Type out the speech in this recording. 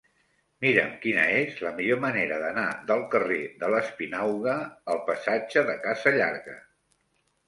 Mira'm quina és la millor manera d'anar del carrer d'Espinauga al passatge de Casa Llarga.